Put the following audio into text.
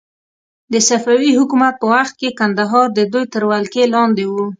د صفوي حکومت په وخت کې کندهار د دوی تر ولکې لاندې و.